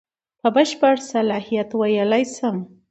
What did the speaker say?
په بشپړ صلاحیت ویلای شم.